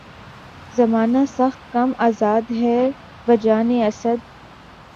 زمانہ سخت کم آزار ہے بجانِ اسد